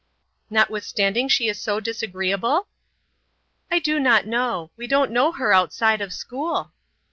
"Notwithstanding she is so disagreeable?" "I do not know. We don't know her outside of school."